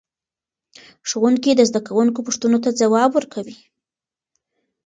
ښوونکي د زده کوونکو پوښتنو ته ځواب ورکوي.